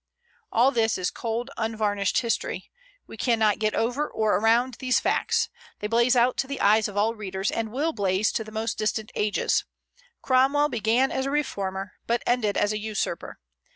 All this is cold, unvarnished history. We cannot get over or around these facts; they blaze out to the eyes of all readers, and will blaze to the most distant ages. Cromwell began as a reformer, but ended as a usurper.